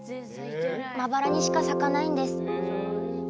まばらにしか咲かないんです。